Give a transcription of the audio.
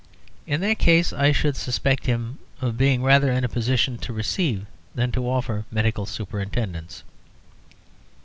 In that case I should suspect him of being rather in a position to receive than to offer medical superintendence.